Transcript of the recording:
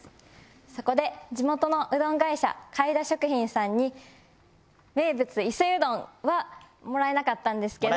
そこで地元のうどん会社かいだ食品さんに名物伊勢うどんはもらえなかったんですけど。